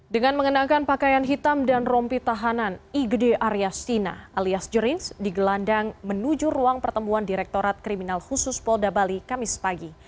dengan mengenakan pakaian hitam dan rompi tahanan igd aryastina alias jerings digelandang menuju ruang pertemuan direktorat kriminal khusus polda bali kamis pagi